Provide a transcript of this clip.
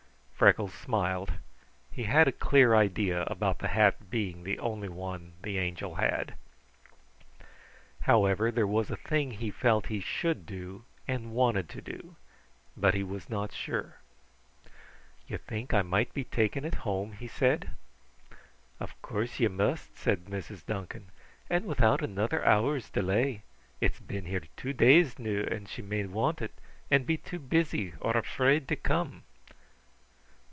Freckles smiled. He had a clear idea about the hat being the only one the Angel had. However, there was a thing he felt he should do and wanted to do, but he was not sure. "You think I might be taking it home?" he said. "Of course ye must," said Mrs. Duncan. "And without another hour's delay. It's been here two days noo, and she may want it, and be too busy or afraid to come."